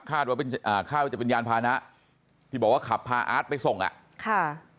คาดว่าจะเป็นยานพานะที่บอกว่าขับพาอาร์ทไปส่งอ่ะ